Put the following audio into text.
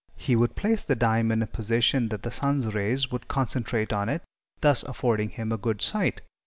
He would place the dime in a position that the sun's rays would concentrate on it, thus affording him a good sight.